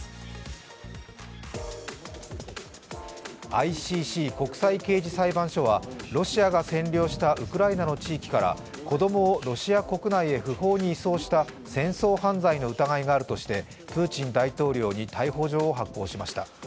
ＩＣＣ＝国際刑事裁判所はロシアが占領したウクライナの地域から子供をロシア国内へ不法に移送した戦争犯罪の疑いがあるとしてプーチン大統領に逮捕状を発行しました。